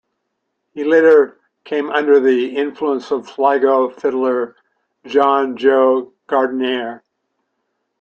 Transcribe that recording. He later came under the influence of Sligo fiddler John Joe Gardiner.